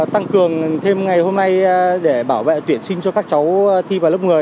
tăng cường thêm ngày hôm nay để bảo vệ tuyển sinh cho các cháu thi vào lớp một mươi